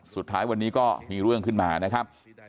สุดท้ายวันนี้ก็มีเรื่องขึ้นมานะครับ